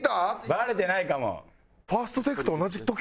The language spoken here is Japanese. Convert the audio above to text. バレてないかも。